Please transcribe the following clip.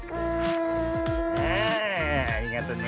ああありがとね。